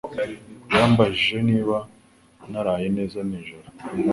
Yambajije niba naraye neza nijoro.